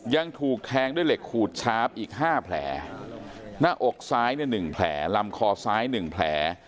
ยังถูกแทงด้วยเหล็กขูดชาร์ฟอีก๕แผลหน้าอกซ้าย๑แผลลำคอซ้าย๑แผล